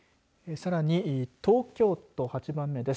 さらに東京都、８番目です。